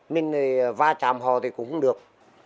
mình thì va chạm hò thì cũng không được